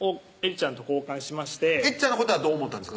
絵梨ちゃんのことはどう思ったんですか？